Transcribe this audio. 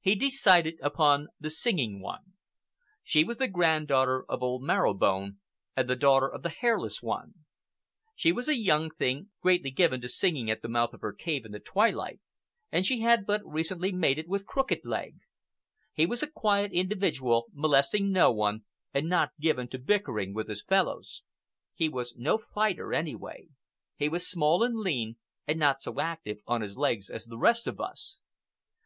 He decided upon the Singing One. She was the granddaughter of old Marrow Bone, and the daughter of the Hairless One. She was a young thing, greatly given to singing at the mouth of her cave in the twilight, and she had but recently mated with Crooked Leg. He was a quiet individual, molesting no one and not given to bickering with his fellows. He was no fighter anyway. He was small and lean, and not so active on his legs as the rest of us.